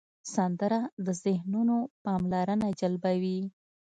سندره د ذهنونو پاملرنه جلبوي